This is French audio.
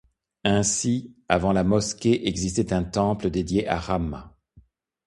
Ainsi, avant la mosquée, existait un temple dédié à Rāma.